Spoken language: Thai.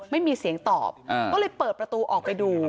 ไม่มีเสียงตอบก็เลยเปิดประตูออกไปดู